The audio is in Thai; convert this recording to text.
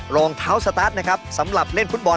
รองเท้าสตาร์ทสำหลับเล่นคุตบอล